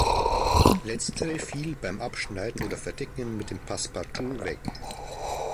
Letztere fiel beim Abschneiden oder Verdecken mit dem Passepartout weg.